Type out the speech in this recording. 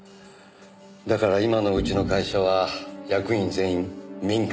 だから今のうちの会社は役員全員民間からです。